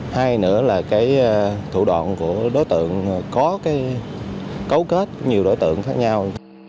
hai nữa là cái thủ đoạn của đối tượng có cái cấu kết nhiều đối tượng khác nhau